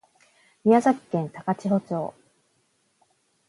宮崎県高千穂町